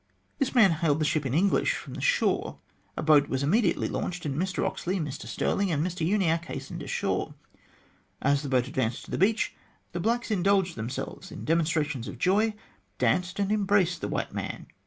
This man hailed the ship in English from the shore. A boat was immediately launched, and Mr Ox]ey, Mr Stirling, and Mr Uniacke hastened ashore. As the boat advanced to the beach, the blacks indulged in demonstra tions of joy, danced, and embraced the white man.